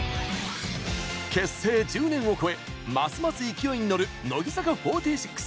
結成１０年を超え、ますます勢いに乗る、乃木坂４６！